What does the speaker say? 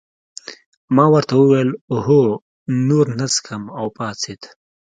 ما ورته وویل هو نور نه څښم او پاڅېد.